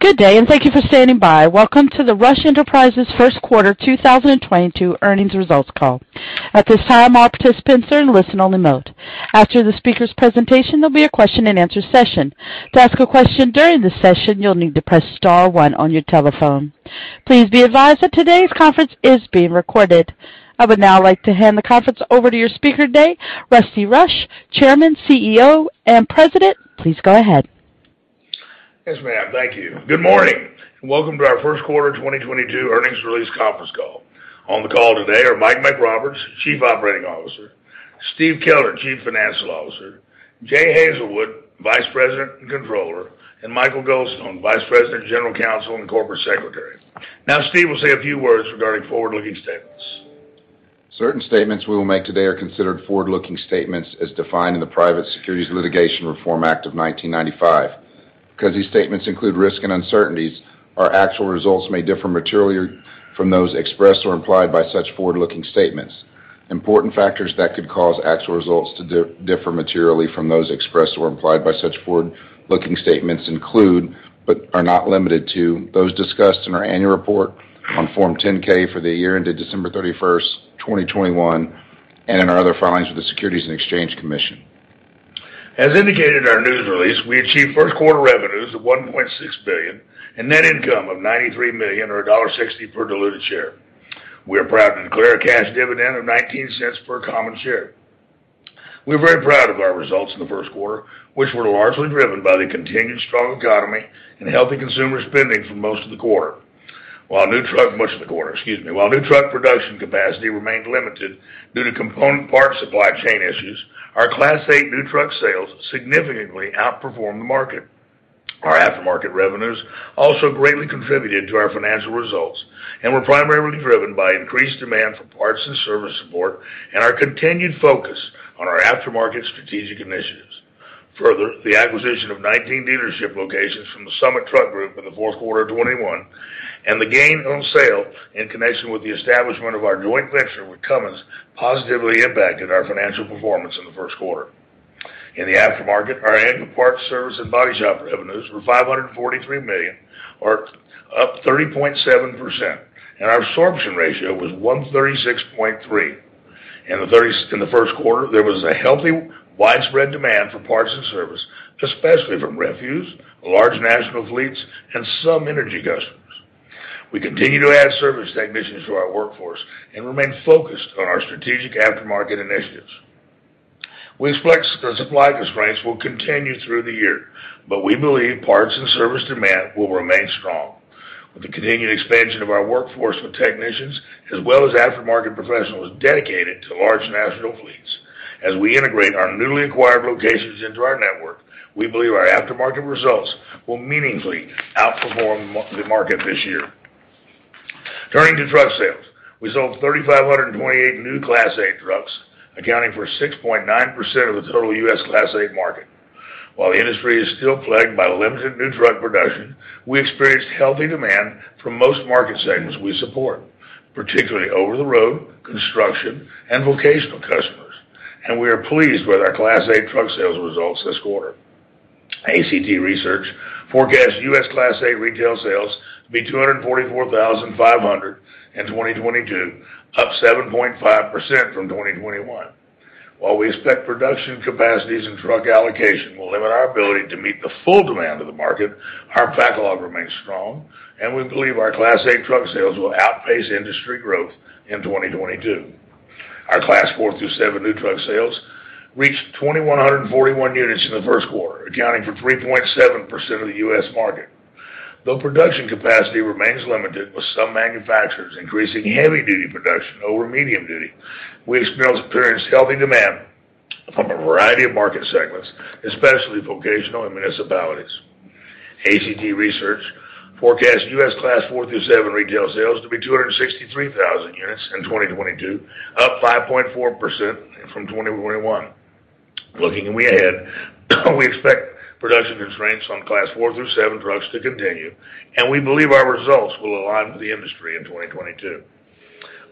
Good day, and thank you for standing by. Welcome to the Rush Enterprises first quarter 2022 earnings results call. At this time, all participants are in listen only mode. After the speaker's presentation, there'll be a question-and-answer session. To ask a question during the session, you'll need to press star one on your telephone. Please be advised that today's conference is being recorded. I would now like to hand the conference over to your speaker today, Rusty Rush, Chairman, CEO, and President. Please go ahead. Yes, ma'am. Thank you. Good morning, and welcome to our first quarter 2022 earnings release conference call. On the call today are Mike McRoberts, Chief Operating Officer, Steve Keller, Chief Financial Officer, Jay Hazelwood, Vice President and Controller, and Michael Goldstone, Vice President, General Counsel, and Corporate Secretary. Now, Steve will say a few words regarding forward-looking statements. Certain statements we will make today are considered forward-looking statements as defined in the Private Securities Litigation Reform Act of 1995. Because these statements include risks and uncertainties, our actual results may differ materially from those expressed or implied by such forward-looking statements. Important factors that could cause actual results to differ materially from those expressed or implied by such forward-looking statements include, but are not limited to, those discussed in our annual report on Form 10-K for the year ended December 31st, 2021, and in our other filings with the Securities and Exchange Commission. As indicated in our news release, we achieved first quarter revenues of $1.6 billion and net income of $93 million or $1.60 per diluted share. We are proud to declare a cash dividend of $0.19 per common share. We're very proud of our results in the first quarter, which were largely driven by the continued strong economy and healthy consumer spending for most of the quarter. While new truck production capacity remained limited due to component part supply chain issues, our Class A new truck sales significantly outperformed the market. Our aftermarket revenues also greatly contributed to our financial results and were primarily driven by increased demand for parts and service support and our continued focus on our aftermarket strategic initiatives. Further, the acquisition of 19 dealership locations from the Summit Truck Group in the fourth quarter of 2021 and the gain on sale in connection with the establishment of our joint venture with Cummins positively impacted our financial performance in the first quarter. In the aftermarket, our anchor parts service and body shop revenues were $543 million or up 30.7%, and our absorption ratio was 136.3. In the first quarter, there was a healthy, widespread demand for parts and service, especially from refuse, large national fleets, and some energy customers. We continue to add service technicians to our workforce and remain focused on our strategic aftermarket initiatives. We expect the supply constraints will continue through the year, but we believe parts and service demand will remain strong. With the continued expansion of our workforce with technicians as well as aftermarket professionals dedicated to large national fleets. As we integrate our newly acquired locations into our network, we believe our aftermarket results will meaningfully outperform the market this year. Turning to truck sales, we sold 3,528 new Class A trucks, accounting for 6.9% of the total U.S. Class A market. While the industry is still plagued by limited new truck production, we experienced healthy demand from most market segments we support, particularly over-the-road, construction, and vocational customers. We are pleased with our Class A truck sales results this quarter. ACT Research forecasts U.S. Class A retail sales to be 244,500 in 2022, up 7.5% from 2021. While we expect production capacities and truck allocation will limit our ability to meet the full demand of the market, our backlog remains strong and we believe our Class A truck sales will outpace industry growth in 2022. Our Class 4 through 7 new truck sales reached 2,141 units in the first quarter, accounting for 3.7% of the U.S. market. Though production capacity remains limited, with some manufacturers increasing heavy-duty production over medium-duty, we experienced healthy demand from a variety of market segments, especially vocational and municipalities. ACT Research forecasts U.S. Class 4 through 7 retail sales to be 263,000 units in 2022, up 5.4% from 2021. Looking ahead, we expect production constraints on Class 4 through 7 trucks to continue, and we believe our results will align with the industry in 2022.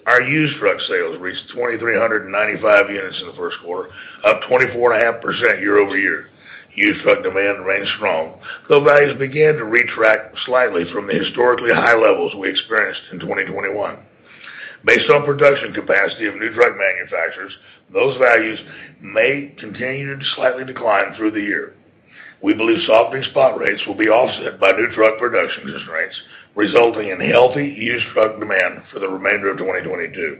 Our used truck sales reached 2,395 units in the first quarter, up 24.5% year-over-year. Used truck demand remains strong, though values began to retract slightly from the historically high levels we experienced in 2021. Based on production capacity of new truck manufacturers, those values may continue to slightly decline through the year. We believe softening spot rates will be offset by new truck production constraints, resulting in healthy used truck demand for the remainder of 2022.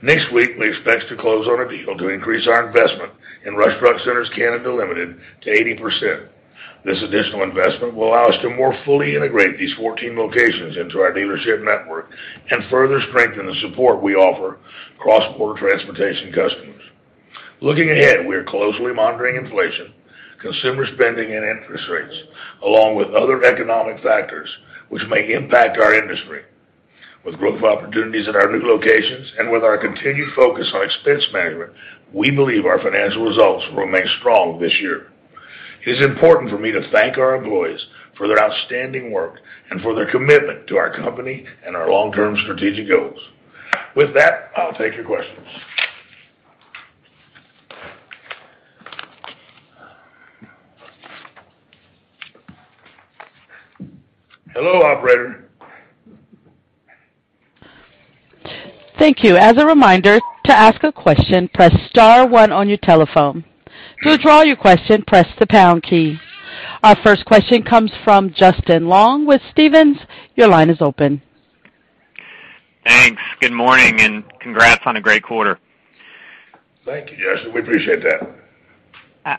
Next week, we expect to close on a deal to increase our investment in Rush Truck Centres of Canada Limited to 80%. This additional investment will allow us to more fully integrate these 14 locations into our dealership network and further strengthen the support we offer cross-border transportation customers. Looking ahead, we are closely monitoring inflation, consumer spending, and interest rates, along with other economic factors which may impact our industry. With growth opportunities in our new locations and with our continued focus on expense management, we believe our financial results will remain strong this year. It is important for me to thank our employees for their outstanding work and for their commitment to our company and our long-term strategic goals. With that, I'll take your questions. Hello, operator. Thank you. As a reminder, to ask a question, press star one on your telephone. To withdraw your question, press the pound key. Our first question comes from Justin Long with Stephens. Your line is open. Thanks. Good morning, and congrats on a great quarter. Thank you, Justin. We appreciate that.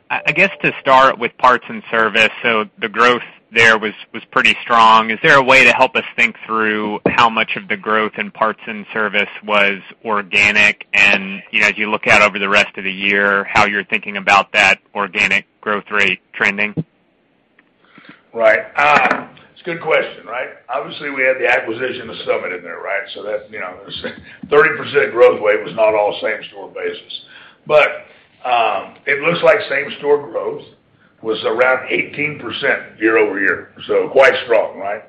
I guess to start with parts and service. The growth there was pretty strong. Is there a way to help us think through how much of the growth in parts and service was organic? And, you know, as you look out over the rest of the year, how you're thinking about that organic growth rate trending? It's a good question, right? Obviously, we had the acquisition of Summit in there, right? That's, you know, 30% growth rate was not all same-store basis. It looks like same-store growth was around 18% year-over-year, so quite strong, right?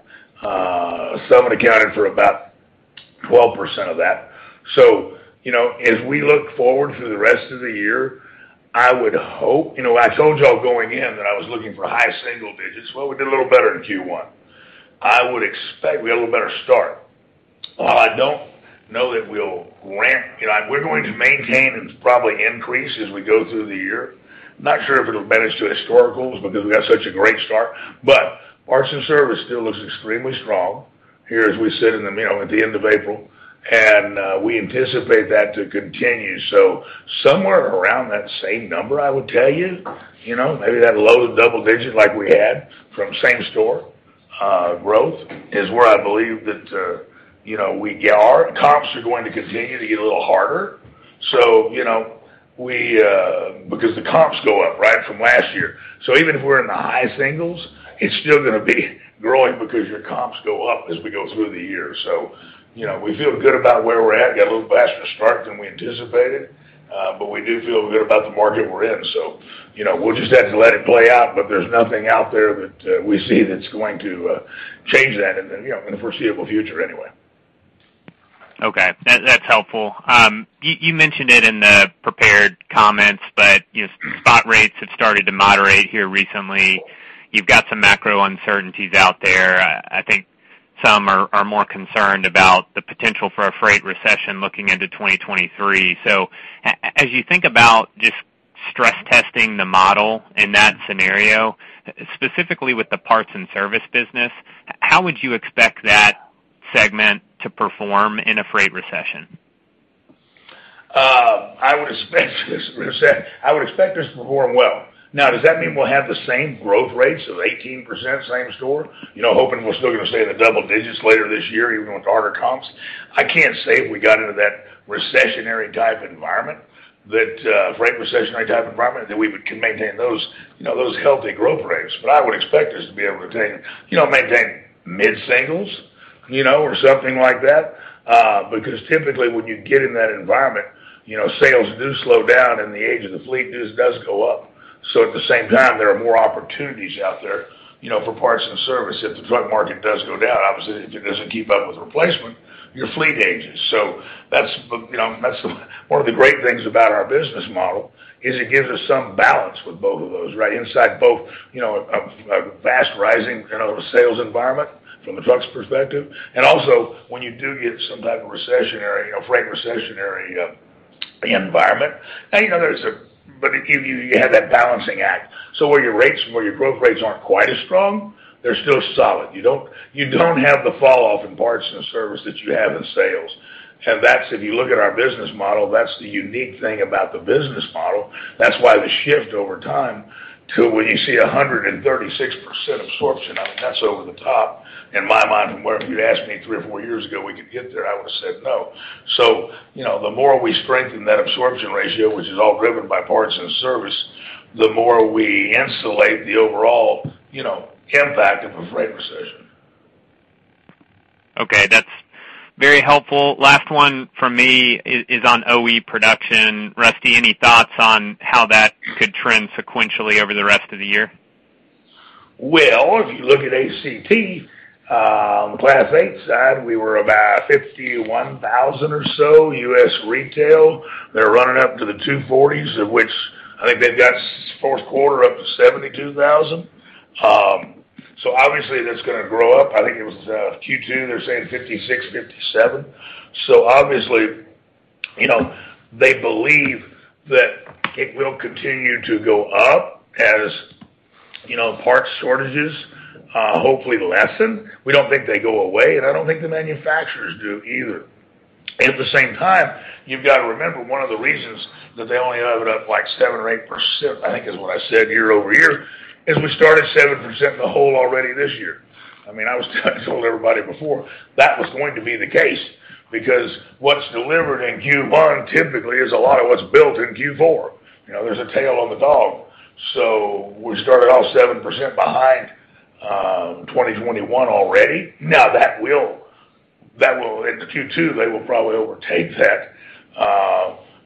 Summit accounted for about 12% of that. You know, as we look forward to the rest of the year, I would hope. You know, I told y'all going in that I was looking for high single digits. Well, we did a little better in Q1. I would expect we had a little better start. While I don't know that we'll ramp, you know, we're going to maintain and probably increase as we go through the year. Not sure if it'll match historicals because we got such a great start. Parts and service still looks extremely strong here as we sit in the, you know, at the end of April, and we anticipate that to continue. So somewhere around that same number, I would tell you. You know, maybe that low to double digit like we had from same-store growth is where I believe that, you know, we are. Comps are going to continue to get a little harder. So, you know, we, because the comps go up, right, from last year. So even if we're in the high singles, it's still gonna be growing because your comps go up as we go through the year. So, you know, we feel good about where we're at. Got a little faster start than we anticipated, but we do feel good about the market we're in. You know, we'll just have to let it play out. There's nothing out there that, we see that's going to, change that in the, you know, in the foreseeable future anyway. Okay. That's helpful. You mentioned it in the prepared comments, but you know, spot rates have started to moderate here recently. You've got some macro uncertainties out there. I think some are more concerned about the potential for a freight recession looking into 2023. As you think about just stress testing the model in that scenario, specifically with the parts and service business, how would you expect that segment to perform in a freight recession? I would expect this to perform well. Now, does that mean we'll have the same growth rates of 18% same store? You know, hoping we're still gonna stay in the double digits later this year, even with harder comps. I can't say if we got into that recessionary type environment that, freight recessionary type environment, that we can maintain those, you know, those healthy growth rates. But I would expect us to be able to maintain, you know, maintain mid-singles, you know, or something like that. Because typically when you get in that environment, you know, sales do slow down and the age of the fleet does go up. At the same time, there are more opportunities out there, you know, for parts and service. If the truck market does go down, obviously, if it doesn't keep up with replacement, your fleet ages. That's, you know, that's one of the great things about our business model, is it gives us some balance with both of those, right? In both, you know, a fast rising, you know, sales environment from a trucks perspective, and also when you do get some type of recessionary, you know, freight recessionary environment, now, you know, but you have that balancing act. Where your growth rates aren't quite as strong, they're still solid. You don't have the fall off in parts and service that you have in sales. That's, if you look at our business model, that's the unique thing about the business model. That's why the shift over time to when you see a 136% absorption, I mean, that's over the top in my mind, from where if you'd asked me three or four years ago, we could get there, I would've said no. You know, the more we strengthen that absorption ratio, which is all driven by parts and service, the more we insulate the overall, you know, impact of a freight recession. Okay. That's very helpful. Last one from me is on OE production. Rusty, any thoughts on how that could trend sequentially over the rest of the year? Well, if you look at ACT on the Class 8 side, we were about 51,000 or so U.S. retail. They're running up to the 240s, of which I think they've got fourth quarter up to 72,000. So obviously that's gonna grow up. I think it was Q2, they're saying 56,000-57,000. So obviously, you know, they believe that it will continue to go up as, you know, parts shortages hopefully lessen. We don't think they go away, and I don't think the manufacturers do either. At the same time, you've got to remember one of the reasons that they only have it up like 7% or 8%, I think is what I said year-over-year, is we started 7% in the hole already this year. I mean, I told everybody before that was going to be the case because what's delivered in Q1 typically is a lot of what's built in Q4. You know, there's a tail on the dog. We started off 7% behind 2021 already. Now that will. In Q2, they will probably overtake that.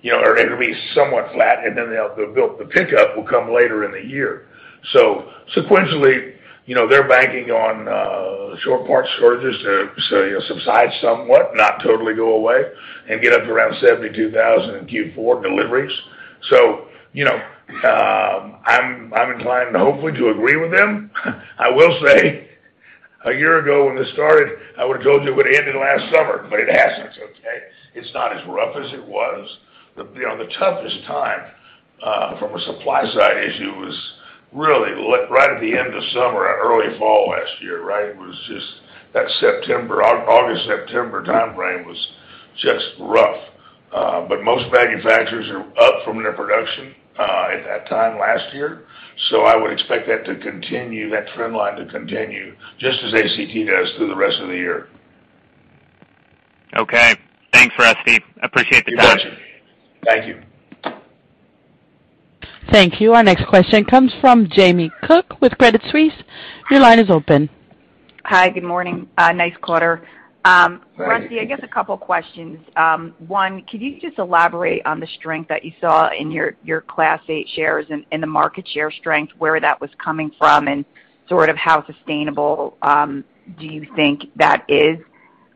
You know, or it'll be somewhat flat, and then the pickup will come later in the year. Sequentially. You know, they're banking on short parts shortages to, say, subside somewhat, not totally go away and get up around 72,000 in Q4 deliveries. You know, I'm inclined, hopefully, to agree with them. I will say a year ago when this started, I would have told you it would end in last summer, but it hasn't. Okay. It's not as rough as it was. You know, the toughest time from a supply side issue was really right at the end of summer or early fall last year, right? It was just that September. August, September time frame was just rough. Most manufacturers are up from their production at that time last year. I would expect that to continue, that trend line to continue just as ACT does through the rest of the year. Okay. Thanks, Rusty. I appreciate the time. You bet. Thank you. Thank you. Our next question comes from Jamie Cook with Credit Suisse. Your line is open. Hi. Good morning. Nice quarter. Rusty, I guess a couple of questions. One, could you just elaborate on the strength that you saw in your Class 8 sales and the market share strength, where that was coming from and sort of how sustainable do you think that is?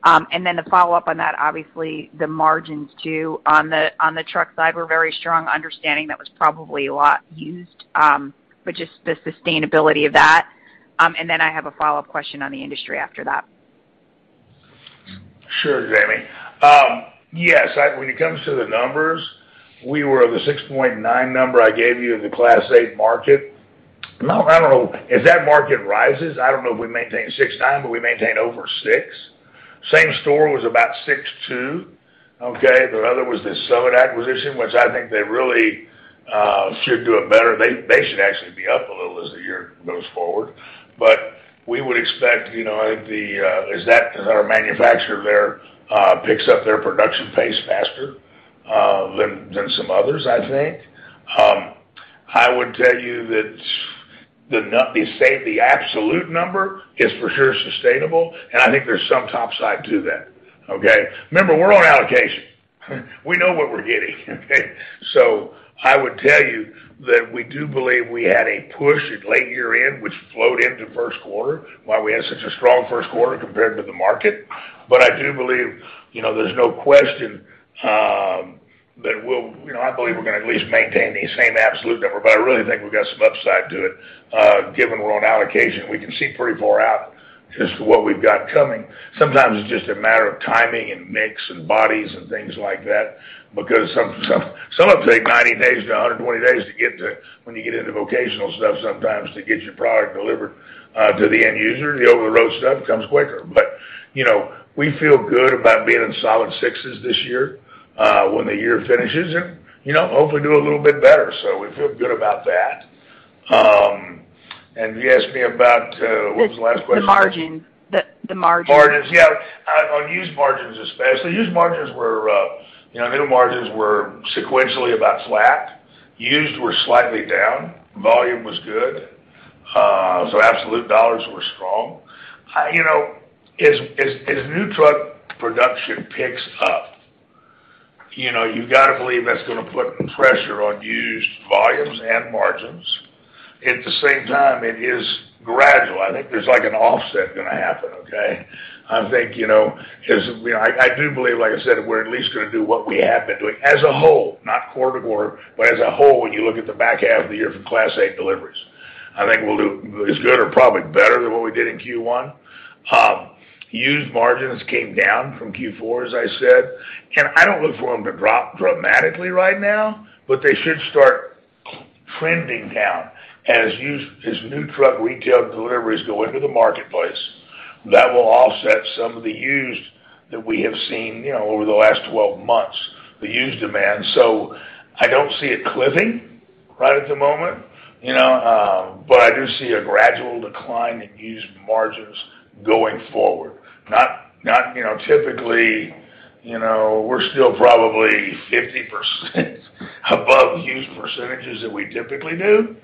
And then the follow-up on that, obviously, the margins too on the truck side were very strong, understanding that was probably a lot used, but just the sustainability of that. And then I have a follow-up question on the industry after that. Sure, Jamie. Yes, when it comes to the numbers, we were the 6.9% number I gave you in the Class 8 market. I don't know if that market rises, I don't know if we maintain 6.9%, but we maintain over 6%. Same store was about 6.2%. Okay. The other was this Summit acquisition, which I think they really should do it better. They should actually be up a little as the year goes forward. We would expect, you know, as our manufacturer there picks up their production pace faster than some others, I think. I would tell you that the absolute number is for sure sustainable, and I think there's some topside to that, okay? Remember, we're on allocation. We know what we're getting, okay? I would tell you that we do believe we had a push at late year-end which flowed into first quarter, why we had such a strong first quarter compared to the market. But I do believe, you know, there's no question that we'll. You know, I believe we're gonna at least maintain the same absolute number, but I really think we've got some upside to it, given we're on allocation. We can see pretty far out as to what we've got coming. Sometimes it's just a matter of timing and mix and bodies and things like that, because some will take 90 days to 120 days to get to when you get into vocational stuff, sometimes to get your product delivered to the end user. The over-the-road stuff comes quicker. You know, we feel good about being in solid sixes this year when the year finishes and, you know, hopefully do a little bit better. We feel good about that. You asked me about what was the last question? The margin. Margins, yeah. On used margins, especially. Used margins were, you know, new margins were sequentially about flat. Used were slightly down. Volume was good. So absolute dollars were strong. You know, as new truck production picks up, you know, you've got to believe that's gonna put pressure on used volumes and margins. At the same time, it is gradual. I think there's like an offset gonna happen, okay? I think, you know, I do believe, like I said, we're at least gonna do what we have been doing as a whole, not quarter-to-quarter, but as a whole, when you look at the back half of the year for Class 8 deliveries. I think we'll do as good or probably better than what we did in Q1. Used margins came down from Q4, as I said. I don't look for them to drop dramatically right now, but they should start trending down. As new truck retail deliveries go into the marketplace, that will offset some of the used that we have seen, you know, over the last 12 months, the used demand. I don't see it cliffing right at the moment, you know, but I do see a gradual decline in used margins going forward. Not, you know, typically, you know, we're still probably 50% above used percentages that we typically do.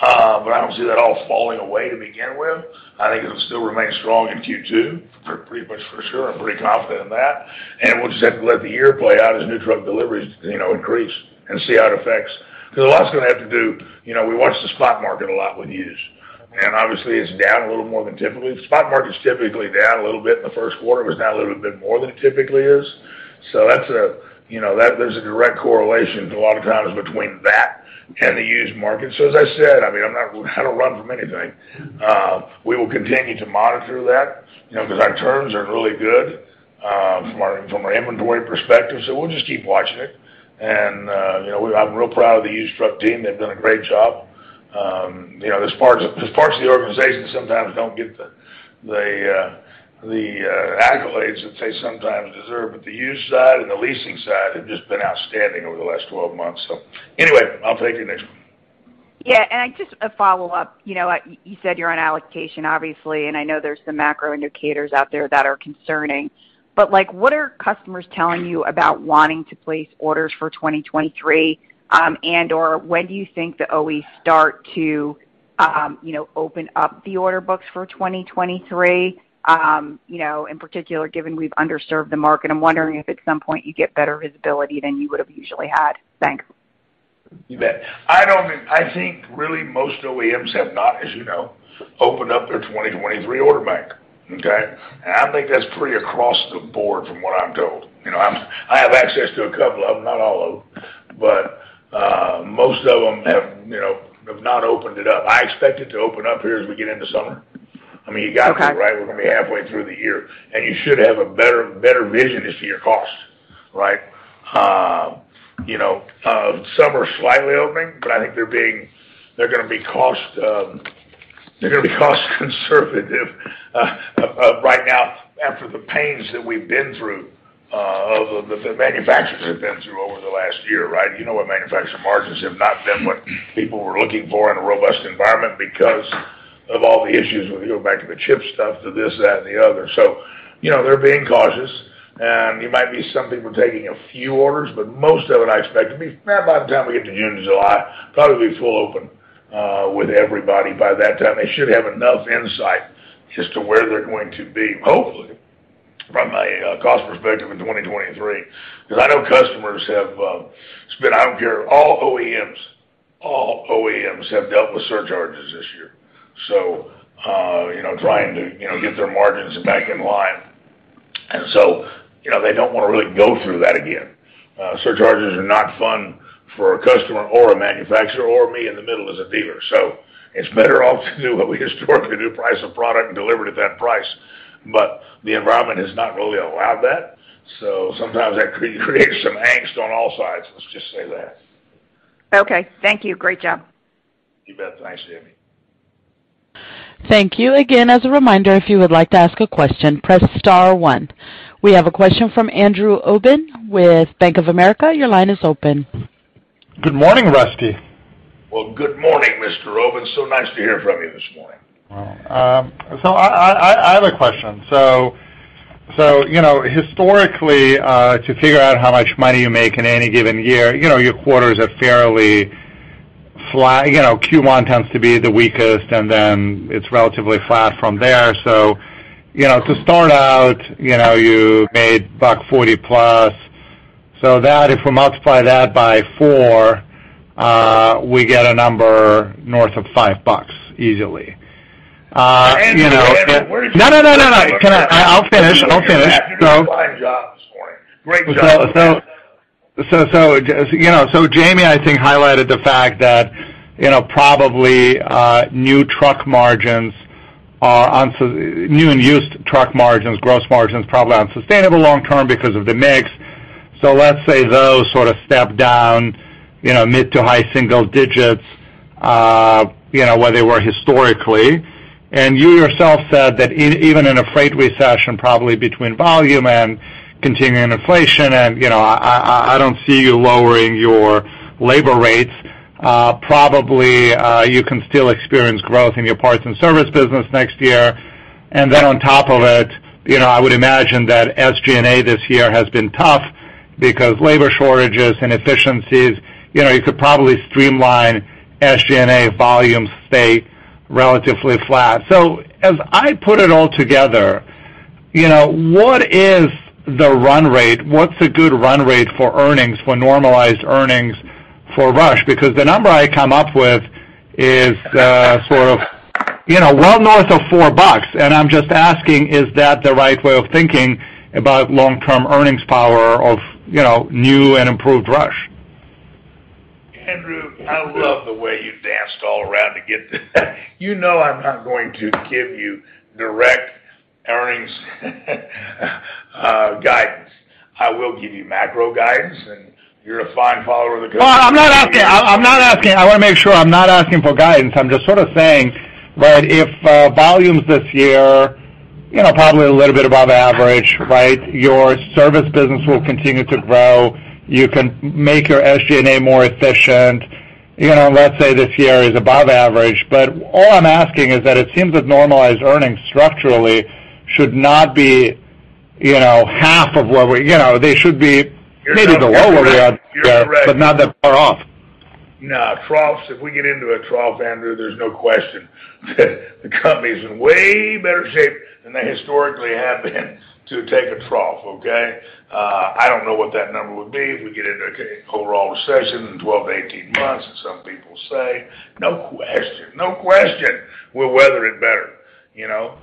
But I don't see that all falling away to begin with. I think it'll still remain strong in Q2, pretty much for sure. I'm pretty confident in that. We'll just have to let the year play out as new truck deliveries, you know, increase and see how it affects. 'Cause a lot's gonna have to do, you know, we watch the spot market a lot with used, and obviously, it's down a little more than typically. The spot market's typically down a little bit in the first quarter. It was down a little bit more than it typically is. That's a, you know, that there's a direct correlation a lot of times between that and the used market. As I said, I mean, I'm not gonna run from anything. We will continue to monitor that, you know, because our terms are really good from our inventory perspective. We'll just keep watching it. You know, I'm real proud of the used truck team. They've done a great job. You know, there's parts of the organization sometimes don't get the accolades that they sometimes deserve, but the used side and the leasing side have just been outstanding over the last 12 months. Anyway, I'll take the next one. Yeah. Just a follow-up. You know, you said you're on allocation, obviously, and I know there's some macro indicators out there that are concerning. Like, what are customers telling you about wanting to place orders for 2023? And/or when do you think that OEs start to, you know, open up the order books for 2023? You know, in particular, given we've underserved the market, I'm wondering if at some point you get better visibility than you would have usually had. Thanks. You bet. I think really most OEMs have not, as you know, opened up their 2023 order bank. Okay? I think that's pretty across the board from what I'm told. You know, I have access to a couple of them, not all of them, but most of them have, you know, have not opened it up. I expect it to open up here as we get into summer. I mean, you gotta be, right? We're gonna be halfway through the year, and you should have a better vision as to your cost, right? You know, some are slightly opening, but I think they're gonna be cost conservative right now after the pains that we've been through of the manufacturers have been through over the last year, right? You know what? Manufacturer margins have not been what people were looking for in a robust environment because of all the issues with going back to the chip stuff, to this, that, and the other. You know, they're being cautious, and you might see some people taking a few orders, but most of it, I expect to be by the time we get to June, July, probably be full open with everybody by that time. They should have enough insight as to where they're going to be, hopefully from a cost perspective in 2023, because I know customers have spent. I don't care, all OEMs have dealt with surcharges this year, so you know, trying to get their margins back in line. You know, they don't want to really go through that again. Surcharges are not fun for a customer or a manufacturer or me in the middle as a dealer. It's better off to do what we historically do, price a product and deliver it at that price. The environment has not really allowed that, so sometimes that creates some angst on all sides, let's just say that. Okay. Thank you. Great job. You bet. Thanks, Jamie. Thank you again. As a reminder, if you would like to ask a question, press star one. We have a question from Andrew Obin with Bank of America. Your line is open. Good morning, Rusty. Well, good morning, Mr. Obin. So nice to hear from you this morning. I have a question. You know, historically, to figure out how much money you make in any given year, you know, your quarters are fairly flat. You know, Q1 tends to be the weakest, and then it is relatively flat from there. You know, to start out, you know, you made $1.40 plus. That if we multiply that by four, we get a number north of $5 easily. You know. Andrew, where are you? No. I'll finish. You're doing a fine job this morning. Great job. You know, Jamie, I think highlighted the fact that, you know, probably new and used truck margins, gross margins probably aren't sustainable long term because of the mix. Let's say those sort of step down, you know, mid- to high single digits, you know, where they were historically. You yourself said that even in a freight recession, probably between volume and continuing inflation, and, you know, I don't see you lowering your labor rates, probably you can still experience growth in your parts and service business next year. Then on top of it, you know, I would imagine that SG&A this year has been tough because labor shortages and inefficiencies, you know, you could probably streamline SG&A volumes stay relatively flat. As I put it all together, you know, what is the run rate? What's a good run rate for earnings, for normalized earnings for Rush? Because the number I come up with is, sort of, you know, well north of $4. I'm just asking, is that the right way of thinking about long-term earnings power of, you know, new and improved Rush? Andrew, I love the way you danced all around to get there. You know I'm not going to give you direct earnings guidance. I will give you macro guidance, and you're a fine follower of the company. No, I'm not asking. I want to make sure I'm not asking for guidance. I'm just sort of saying that if volumes this year, you know, probably a little bit above average, right? Your service business will continue to grow. You can make your SG&A more efficient. You know, let's say this year is above average. All I'm asking is that it seems that normalized earnings structurally should not be, you know, half of what we you know, they should be maybe lower than last year, but not that far off. No troughs. If we get into a trough, Andrew, there's no question that the company's in way better shape than they historically have been to take a trough. Okay? I don't know what that number would be if we get into overall recession in 12-18 months, as some people say. No question we'll weather it better. You know,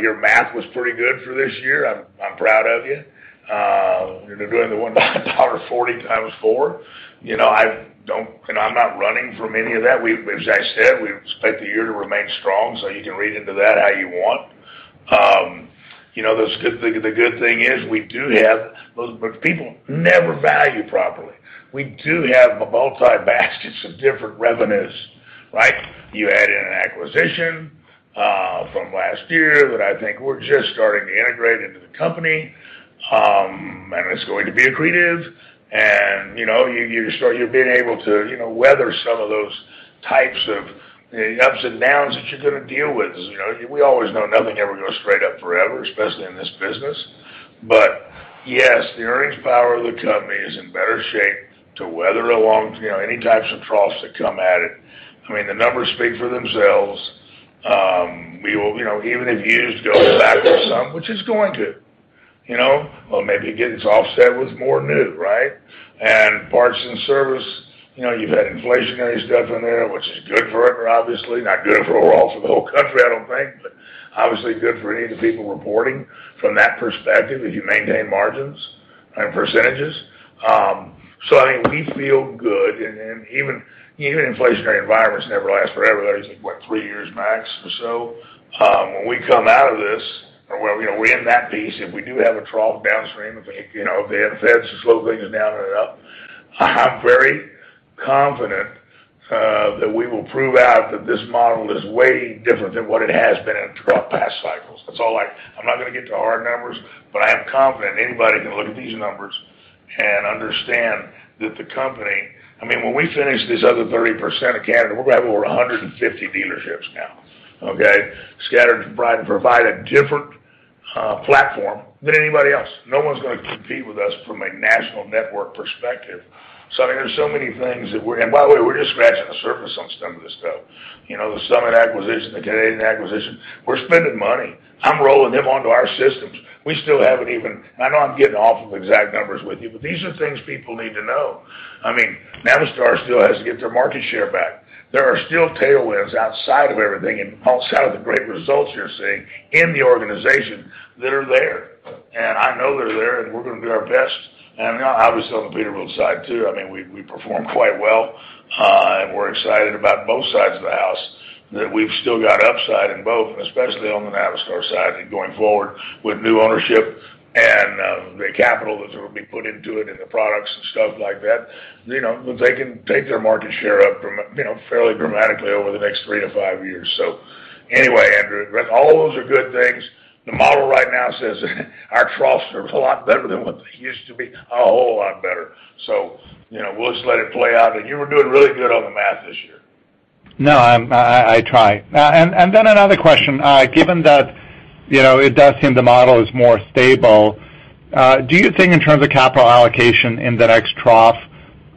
your math was pretty good for this year. I'm proud of you. Doing the $1.40 times four. You know, I don't, and I'm not running from any of that. As I said, we expect the year to remain strong, so you can read into that how you want. You know, the good thing is we do have, people never value properly, multi baskets of different revenues, right? You add in an acquisition from last year that I think we're just starting to integrate into the company, and it's going to be accretive. You know, you start being able to, you know, weather some of those types of ups and downs that you're gonna deal with. You know, we always know nothing ever goes straight up forever, especially in this business. Yes, the earnings power of the company is in better shape to weather along, you know, any types of troughs that come at it. I mean, the numbers speak for themselves. We will, you know, even if used go back for some, which it's going to. You know, well, maybe it gets offset with more new, right? Parts and service, you know, you've had inflationary stuff in there, which is good for it, obviously. Not good for overall for the whole country, I don't think, but obviously good for any of the people reporting from that perspective, if you maintain margins and percentages. I mean, we feel good and even inflationary environments never last forever. There's like, what, three years max or so. When we come out of this or, well, you know, we end that piece, if we do have a trough downstream, if, you know, the Feds slow things down enough, I'm very confident that we will prove out that this model is way different than what it has been in trough past cycles. That's all. I'm not gonna get to hard numbers, but I am confident anybody can look at these numbers and understand that the company. I mean, when we finish this other 30% of Canada, we're gonna have over 150 dealerships now, okay? Scattered to provide a different platform than anybody else. No one's gonna compete with us from a national network perspective. I mean, there's so many things that we're. By the way, we're just scratching the surface on some of this stuff. You know, the Summit acquisition, the Canadian acquisition, we're spending money. I'm rolling them onto our systems. We still haven't even. I know I'm getting off of exact numbers with you, but these are things people need to know. I mean, Navistar still has to get their market share back. There are still tailwinds outside of everything and outside of the great results you're seeing in the organization that are there. I know they're there, and we're gonna do our best. Obviously, on the Peterbilt side, too, I mean, we perform quite well. We're excited about both sides of the house, that we've still got upside in both, and especially on the Navistar side, and going forward with new ownership and the capital that will be put into it and the products and stuff like that. You know, they can take their market share up from, you know, fairly dramatically over the next three to five years. Anyway, Andrew, all those are good things. The model right now says our trough service a lot better than what they used to be, a whole lot better. You know, we'll just let it play out. You were doing really good on the math this year. No, I try. Another question. Given that, you know, it does seem the model is more stable, do you think in terms of capital allocation in the next trough,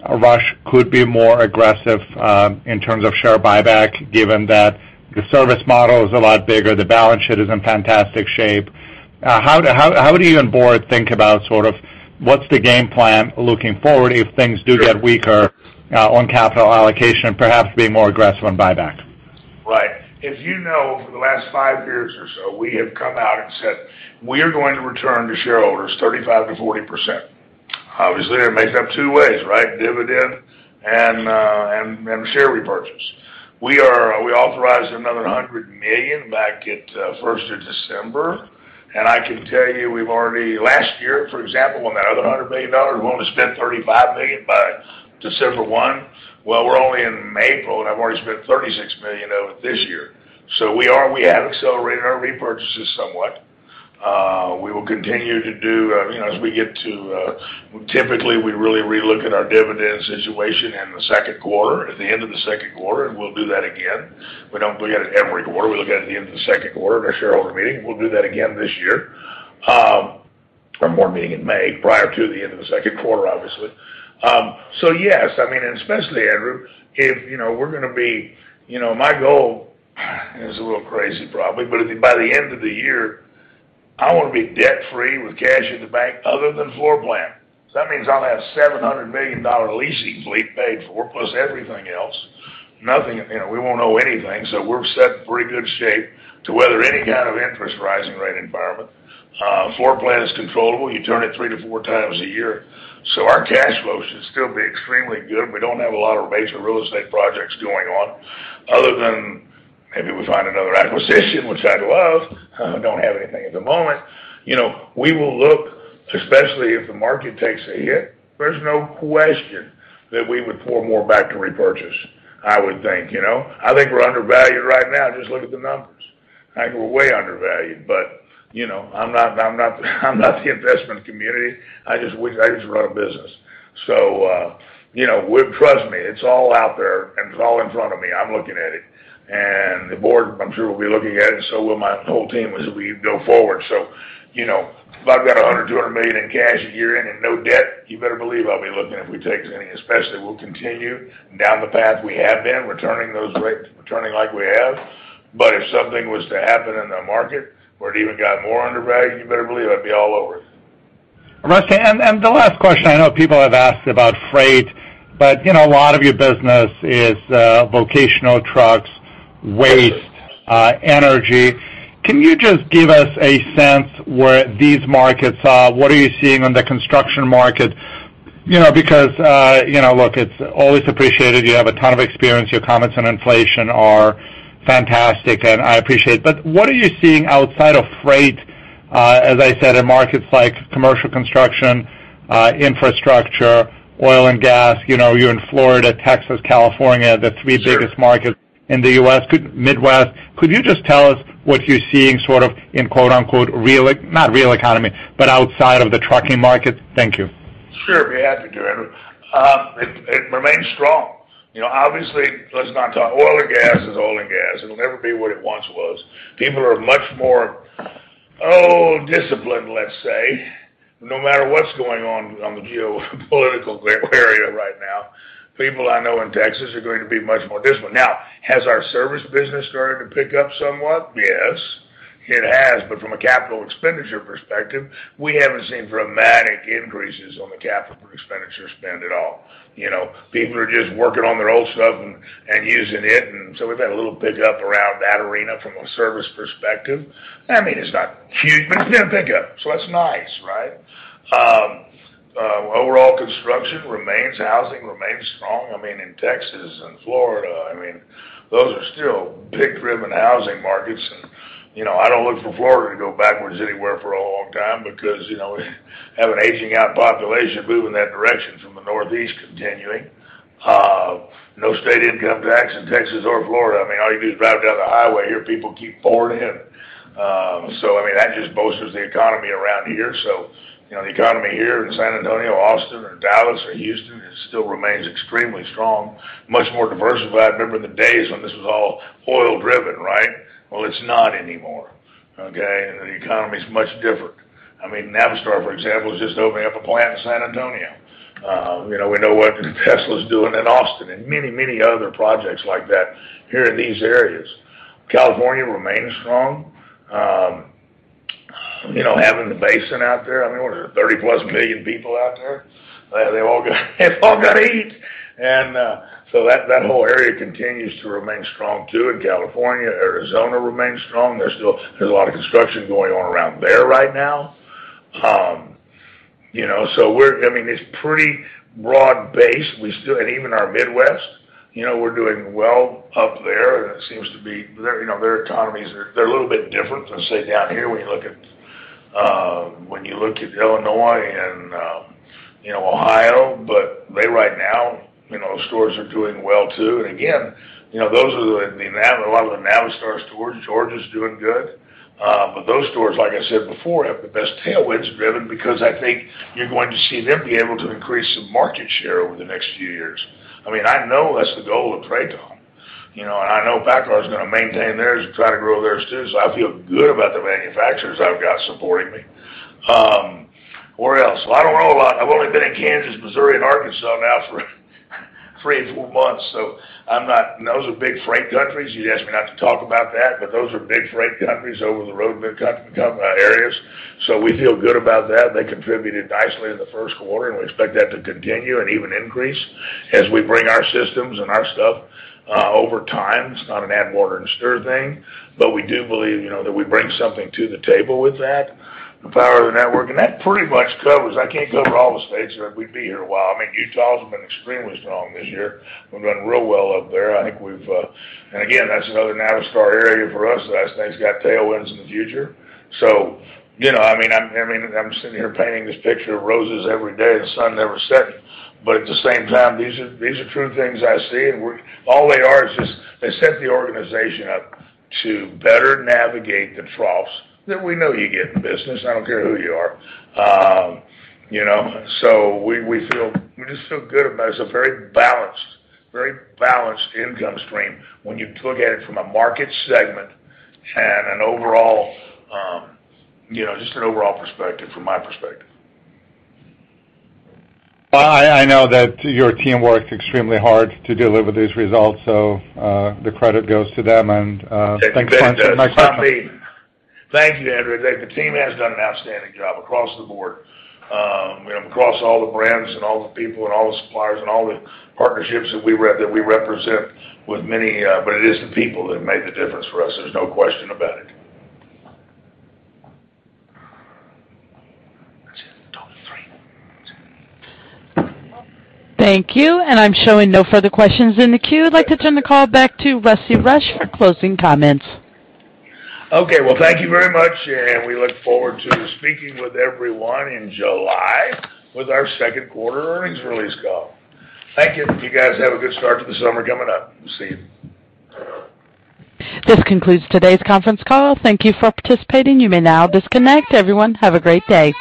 Rush could be more aggressive in terms of share buyback, given that the service model is a lot bigger, the balance sheet is in fantastic shape? How do you and board think about sort of what's the game plan looking forward if things do get weaker on capital allocation, perhaps being more aggressive on buyback? Right. If you know, for the last five years or so, we have come out and said, "We are going to return to shareholders 35%-40%." Obviously, it makes up two ways, right? Dividend and share repurchase. We authorized another $100 million back at first of December. I can tell you we've already. Last year, for example, on that other $100 million, we've only spent $35 million by December 1. Well, we're only in April, and I've already spent $36 million of it this year. We have accelerated our repurchases somewhat. We will continue to do as we get to. Typically, we really relook at our dividend situation in the second quarter, at the end of the second quarter, and we'll do that again. We don't look at it every quarter. We look at it at the end of the second quarter at our shareholder meeting. We'll do that again this year. Our board meeting in May, prior to the end of the second quarter, obviously. Yes. I mean, and especially, Andrew, if you know we're gonna be you know my goal is a little crazy, probably, but by the end of the year, I wanna be debt-free with cash in the bank other than floor plan. That means I'll have $700 million leasing fleet paid for, plus everything else. Nothing, you know, we won't owe anything. We're set in pretty good shape to weather any kind of rising interest rate environment. Floor plan is controllable. You turn it three to four times a year. Our cash flow should still be extremely good. We don't have a lot of major real estate projects going on, other than maybe we find another acquisition, which I'd love. I don't have anything at the moment. You know, we will look, especially if the market takes a hit, there's no question that we would pour more back to repurchase, I would think, you know? I think we're undervalued right now, just look at the numbers. I think we're way undervalued, but, you know, I'm not the investment community. I just run a business. So, you know, trust me, it's all out there and it's all in front of me. I'm looking at it. The board, I'm sure, will be looking at it, and so will my whole team as we go forward. You know, if I've got $100 million-$200 million in cash a year in and no debt, you better believe I'll be looking if we take any, especially we'll continue down the path we have been, returning those rates, returning like we have. If something was to happen in the market where it even got more undervalued, you better believe I'd be all over it. Rusty, the last question I know people have asked about freight, but you know, a lot of your business is vocational trucks, waste, energy. Can you just give us a sense where these markets are? What are you seeing on the construction market? You know, because you know, look, it's always appreciated. You have a ton of experience. Your comments on inflation are fantastic, and I appreciate. But what are you seeing outside of freight, as I said, in markets like commercial construction, infrastructure, oil and gas. You know, you're in Florida, Texas, California, the three biggest markets in the U.S., Midwest. Could you just tell us what you're seeing sort of in quote-unquote, real economy, but outside of the trucking market? Thank you. Sure. Be happy to, Andrew. It remains strong. You know, oil and gas is oil and gas. It'll never be what it once was. People are much more disciplined, let's say, no matter what's going on in the geopolitical arena right now. People I know in Texas are going to be much more disciplined. Now, has our service business started to pick up somewhat? Yes, it has. From a capital expenditure perspective, we haven't seen dramatic increases on the capital expenditure spend at all. You know, people are just working on their old stuff and using it, and so we've had a little pick up around that arena from a service perspective. I mean, it's not huge, but it's been a pick up, so that's nice, right? Overall construction remains, housing remains strong. I mean, in Texas and Florida, I mean, those are still big driven housing markets. You know, I don't look for Florida to go backwards anywhere for a long time because, you know, we have an aging out population moving that direction from the Northeast continuing. No state income tax in Texas or Florida. I mean, all you do is drive down the highway, hear people keep pouring in. I mean, that just bolsters the economy around here. You know, the economy here in San Antonio, Austin or Dallas or Houston still remains extremely strong, much more diversified. Remember the days when this was all oil driven, right? Well, it's not anymore, okay? The economy is much different. I mean, Navistar, for example, is just opening up a plant in San Antonio. You know, we know what Tesla is doing in Austin and many other projects like that here in these areas. California remains strong. You know, having the basin out there, I mean, what are 30+ million people out there? They've all got, they've all gotta eat. So that whole area continues to remain strong too. In California, Arizona remains strong. There's a lot of construction going on around there right now. You know, I mean, it's pretty broad-based. We still and even our Midwest, you know, we're doing well up there, and it seems to be their, you know, their economies are, they're a little bit different from, say, down here when you look at Illinois and, you know, Ohio. But right now, you know, stores are doing well, too. You know, a lot of the Navistar stores, Georgia is doing good. But those stores, like I said before, have the best tailwinds driven because I think you're going to see them be able to increase some market share over the next few years. I mean, I know that's the goal of TRATON, you know, and I know PACCAR is gonna maintain theirs and try to grow theirs, too. I feel good about the manufacturers I've got supporting me. Where else? Well, I don't know a lot. I've only been in Kansas, Missouri, and Arkansas now for three and four months, so I'm not. Those are big freight corridors. You'd ask me not to talk about that, but those are big freight corridors over the road, big country areas. We feel good about that. They contributed nicely in the first quarter, and we expect that to continue and even increase as we bring our systems and our stuff over time. It's not an add water and stir thing, but we do believe, you know, that we bring something to the table with that, the power of the network. That pretty much covers. I can't cover all the states or we'd be here a while. I mean, Utah has been extremely strong this year. We've done real well up there. Again, that's another Navistar area for us that I think's got tailwinds in the future. You know, I mean, I'm sitting here painting this picture of roses every day and sun never setting. At the same time, these are true things I see, and all they are is just, they set the organization up to better navigate the troughs that we know you get in business. I don't care who you are. You know, we just feel good about it. It's a very balanced income stream when you look at it from a market segment and an overall, you know, just an overall perspective from my perspective. Well, I know that your team worked extremely hard to deliver these results, so, the credit goes to them. Thanks very much. Thank you, Andrew. The team has done an outstanding job across the board, across all the brands and all the people and all the suppliers and all the partnerships that we represent with many, but it is the people that made the difference for us. There's no question about it. Thank you. I'm showing no further questions in the queue. I'd like to turn the call back to Rusty Rush for closing comments. Okay. Well, thank you very much, and we look forward to speaking with everyone in July with our second quarter earnings release call. Thank you. You guys have a good start to the summer coming up. See you. This concludes today's conference call. Thank you for participating. You may now disconnect. Everyone, have a great day.